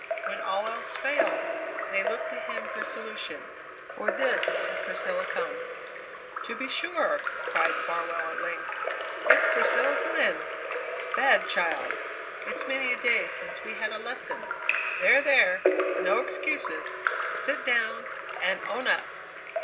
When all else failed they looked to him for solution. For this had Priscilla come. "To be sure!" cried Farwell at length. "It's Priscilla Glenn. Bad child! It's many a day since we had a lesson. There! there! no excuses. Sit down and own up!"